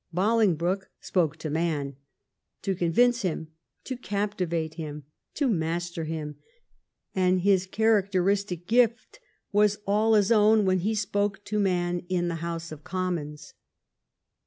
Bolingbroke spoke to man — to convince him, to captivate him, to master him — and his characteristic gift was all his own when he spoke to man in the House of Commons.